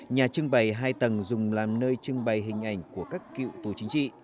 nhà trưng bày hai tầng dùng làm nơi trưng bày hình ảnh của các cựu tù chính trị